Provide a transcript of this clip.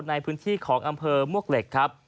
ในพื้นที่ของอำเภอมวกเหล็กครับ